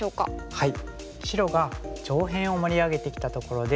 はい。